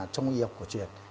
trong y học của truyền